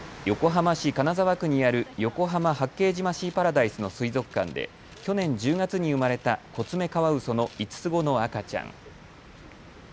横浜市金沢区にある横浜・八景島シーパラダイスの水族館で去年１０月に生まれたコツメカワウソの５つ子の赤ちゃん。